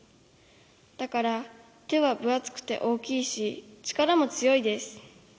だから、手はぶあつくて大きいし力も強いです。